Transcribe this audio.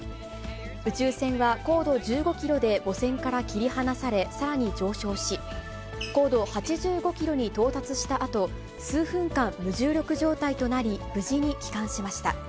宇宙船は高度１５キロで母船から切り離され、さらに上昇し、高度８５キロに到達したあと、数分間、無重力状態となり、無事に帰還しました。